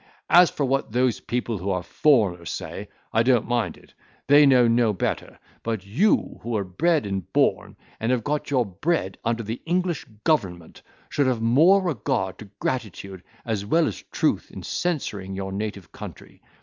As for what those people who are foreigners say, I don't mind it; they know no better; but you who were bred and born, and have got your bread, under the English government, should have more regard to gratitude, as well as truth in censuring your native country.